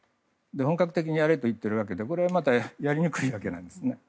本格的にやれと言っているわけでやりにくいわけなんですね。